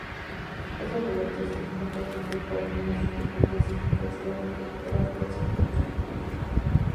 Este relato es controvertido por algunos islandeses, que consideran que Thorvaldsen nació en Islandia.